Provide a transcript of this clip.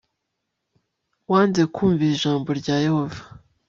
bm wanze kumvira ijambo rya yehova